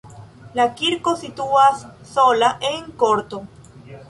La kirko situas sola en korto.